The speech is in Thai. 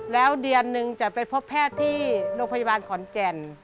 แล้วเดือนหนึ่งจะไปพบแพทย์ที่โรงพยาบาลขอนแก่น